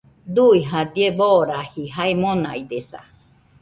Dui jadie boraji jae monaidesa